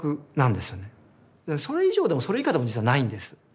でもそれ以上でもそれ以下でも実はないんです。